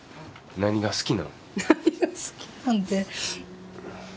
何が好きなんって。